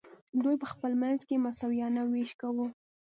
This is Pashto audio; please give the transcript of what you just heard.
دوی په خپل منځ کې مساویانه ویش کاوه.